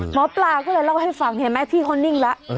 หมอปลาก็เลยเล่าให้ฟังเห็นไหมพี่เขานิ่งแล้ว